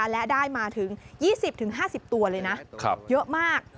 และได้มาถึง๒๐๕๐ตัวเลยนะเยอะมาก